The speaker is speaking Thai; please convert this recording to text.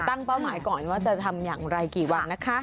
เป้าหมายก่อนว่าจะทำอย่างไรกี่วันนะคะ